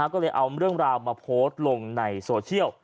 ก็เลยเอาเรื่องราวมาโพสต์ลงในโซเชียล